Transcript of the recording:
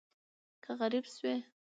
که غریب شوې